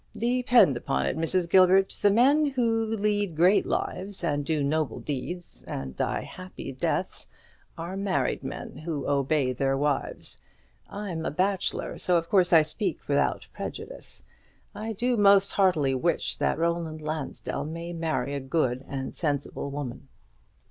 Depend upon it, Mrs. Gilbert, the men who lead great lives, and do noble deeds, and die happy deaths, are married men who obey their wives. I'm a bachelor; so of course I speak without prejudice. I do most heartily wish that Roland Lansdell may marry a good and sensible woman."